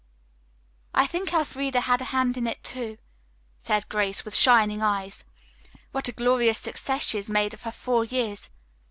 "I think Elfreda had a hand in it, too," said Grace, with shining eyes. "What a glorious success she has made of her four years.